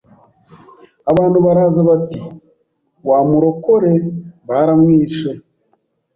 abantu baraza bati wa murokore baramwishe,